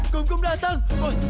gungkum datang bos